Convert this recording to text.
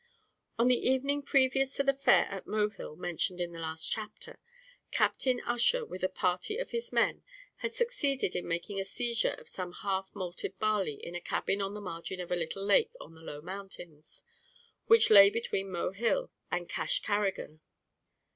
On the evening previous to the fair at Mohill mentioned in the last chapter, Captain Ussher with a party of his men had succeeded in making a seizure of some half malted barley in a cabin on the margin of a little lake on the low mountains, which lay between Mohill and Cashcarrigan.